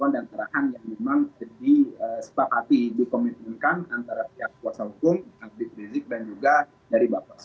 dan terakan yang memang disepakati dikomitmenkan antara pihak kuasa hukum habib bezik dan juga dari batas